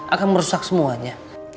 akan merusak semuanya